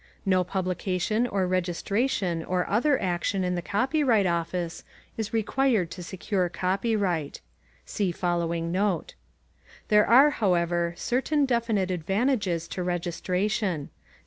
No publication or registration or other action in the Copyright Office is required to secure copyright. (See following Note.) There are, however, certain definite advantages to registration.